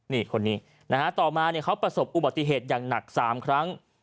นี่คนนี้นะฮะต่อมาเขาประสบอุบัติเหตุอย่างหนัก๓ครั้ง